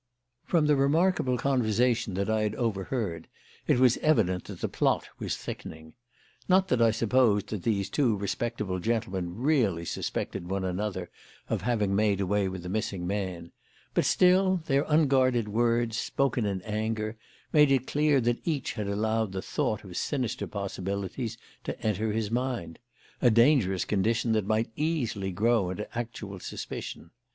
From the remarkable conversation that I had overheard it was evident that the plot was thickening. Not that I supposed that these two respectable gentlemen really suspected one another of having made away with the missing man; but still, their unguarded words, spoken in anger, made it clear that each had allowed the thought of sinister possibilities to enter his mind a dangerous condition that might easily grow into actual suspicion.